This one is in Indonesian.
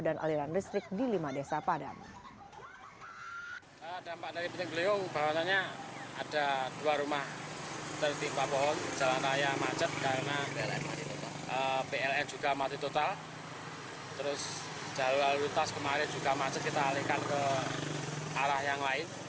di lima desa padang